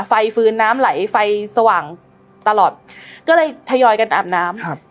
ไฟฟื้นน้ำไหลไฟสว่างตลอดก็เลยทยอยกันอาบน้ำครับ